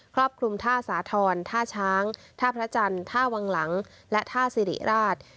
รอบคลุมท่าสาธรณ์ท่าช้างท่าพระจันทร์ท่าวังหลังและท่าสิริราช